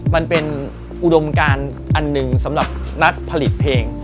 มันเป็นอุดมการอันหนึ่งสำหรับนักผลิตเพลง